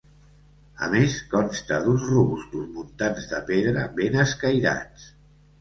A més, consta d’uns robustos muntants de pedra ben escairats.